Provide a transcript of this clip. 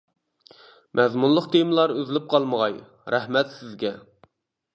مەزمۇنلۇق تېمىلار ئۈزۈلۈپ قالمىغاي، رەھمەت سىزگە.